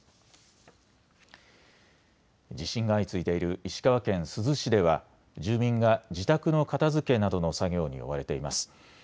地震が相次いでいる石川県珠洲市では住民が自宅の片づけなどの作業に追われています。